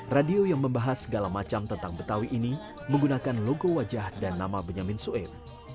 radio yang membahas segala macam tentang betawi ini menggunakan logo wajah dan nama benyamin sueb